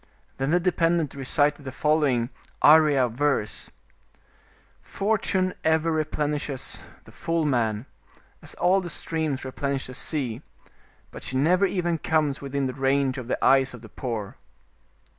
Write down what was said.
Then the de pendent recited the following Arya verse —'* Fortune ever replenishes the full man, as all the streams replenish the sea, but she never even comes within the range of the eyes of the poor."